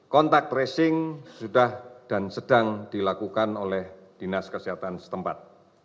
kontak tracing sudah dan sedang dilakukan oleh dinas kesehatan setempat